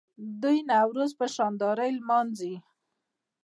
دوی نوروز په شاندارۍ لمانځي.